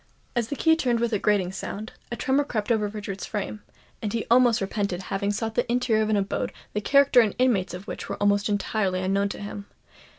As the key turned with a grating sound, a tremor crept over Richard's frame; and he almost repented having sought the interior of an abode the character and inmates of which were almost entirely unknown to him.